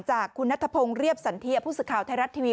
จากคุณนัทพงศ์เรียบสันเทียผู้สื่อข่าวไทยรัฐทีวี